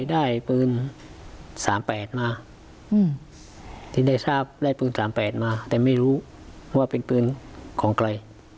ได้ปืน๓๘มาที่ได้ทราบได้ปืน๓๘มาแต่ไม่รู้ว่าเป็นปืนของใคร